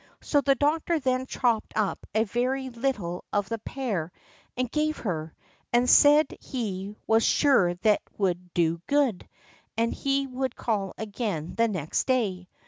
So the doctor then chopped up a very little of the pear and gave her, and said he was sure that would do good, and he would call again the next day.